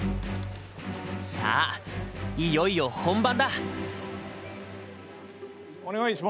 さあいよいよ本番だ。